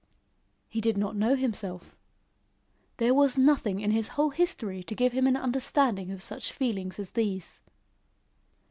He did not know himself. There was nothing in his whole history to give him an understanding of such feelings as these.